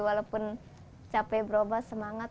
walaupun capek berobat semangat